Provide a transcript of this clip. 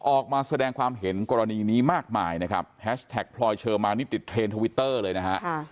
ออกมาแสดงความเห็นกรณีนี้มากมายนะครับแฮชแท็กพลอยเชอร์มานี่ติดเทรนด์ทวิตเตอร์เลยนะฮะ